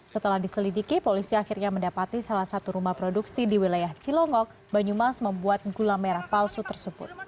setelah diselidiki polisi akhirnya mendapati salah satu rumah produksi di wilayah cilongok banyumas membuat gula merah palsu tersebut